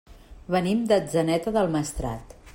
Venim d'Atzeneta del Maestrat.